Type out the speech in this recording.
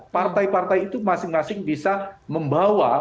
partai partai itu masing masing bisa membawa